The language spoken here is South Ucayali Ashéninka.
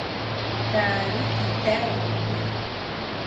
Kaari kitairiki